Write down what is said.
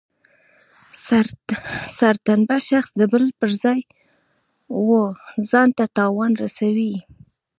سرټنبه شخص د بل پر ځای و ځانته تاوان رسوي.